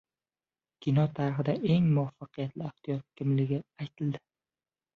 Kino tarixidagi eng muvaffaqiyatli aktyor kimligi aytildi